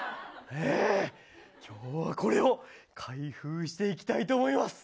今日は、これを開封していきたいと思います。